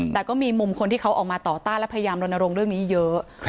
แต่ก็มีมุมคนที่เขาออกมาต่อต้านและพยายามรณรงค์เรื่องนี้เยอะ